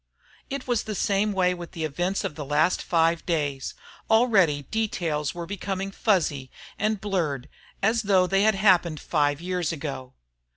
It was the same way with the events of the last five days; already details were becoming fuzzy and blurred as though they had happened five years ago.